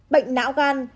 bệnh não gan